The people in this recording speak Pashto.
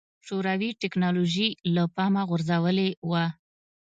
شوروي ټکنالوژي له پامه غورځولې وه.